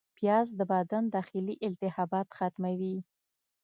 پیاز د بدن داخلي التهابات ختموي